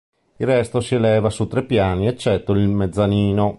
Il resto si eleva su tre piani eccetto il mezzanino.